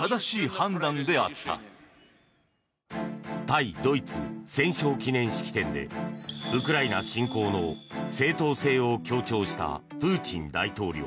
対ドイツ戦勝記念式典でウクライナ侵攻の正当性を強調したプーチン大統領。